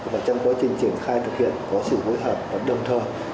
và trong quá trình triển khai thực hiện có sự phối hợp và đồng thời